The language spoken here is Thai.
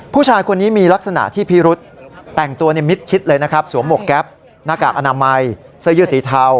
ผู้ชายคนนี้มีลักษณะที่พิรุษแต่งตัวในมิดชิดเลยนะครับสวมหวกแก๊ปหน้ากากอนามัยเสื้อยืดสีเทา